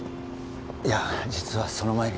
いや実はその前に